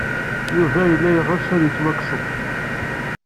Yuba yella yeɣs ad yettwakseḍ.